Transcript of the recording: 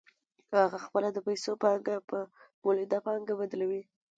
هغه خپله د پیسو پانګه په مولده پانګه بدلوي